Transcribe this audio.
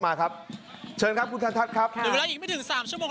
มาครับเชิญครับครูคันทัสครับครับหรือเวลาอีกไม่ถึงสามชั่วโมง